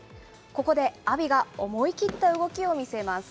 ここで阿炎が思い切った動きを見せます。